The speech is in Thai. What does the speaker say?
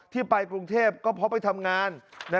ไปกรุงเทพก็เพราะไปทำงาน